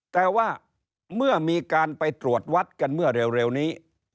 แต่ว่าเมื่อมีการไปตรวจวัดกันเมื่อเร็วนี้